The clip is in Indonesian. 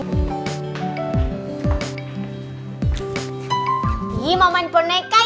ih mau main boneka ya